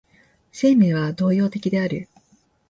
生命は動揺的である。